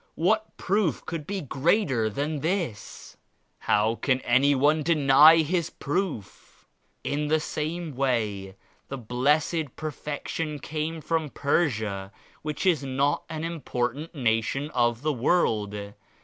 What proof could be greater than this? How can any one deny His proof I In the same way the Blessed Perfection came from Persia which is not an im portant nation of the world.